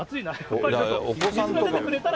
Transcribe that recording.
お子さんとか。